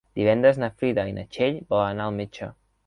Divendres na Frida i na Txell volen anar al metge.